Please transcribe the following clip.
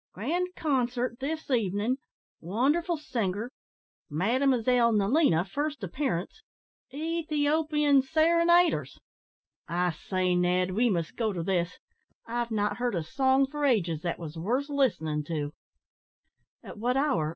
"`Grand concert, this evening wonderful singer Mademoiselle Nelina, first appearance Ethiopian serenaders.' I say, Ned, we must go to this; I've not heard a song for ages that was worth listening to." "At what hour?"